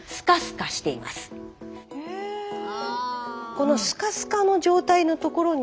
このスカスカの状態のところに。